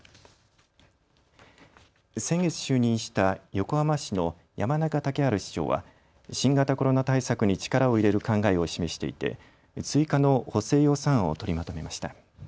先月就任した横浜市の山中竹春市長は新型コロナ対策に力を入れる考えを示していて追加の補正予算案を取りまとめました。